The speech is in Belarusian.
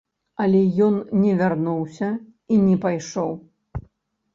Але ён не вярнуўся і не пайшоў.